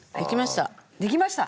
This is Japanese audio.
できました。